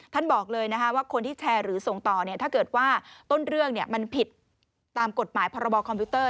ท่านบอกเลยว่าคนที่แชร์หรือส่งต่อถ้าเกิดว่าต้นเรื่องมันผิดตามกฎหมายพค